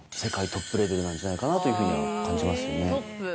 レベルなんじゃないかなというふうには感じますよね。